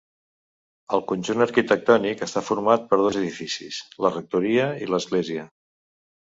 El conjunt arquitectònic està format per dos edificis: la rectoria i l'església.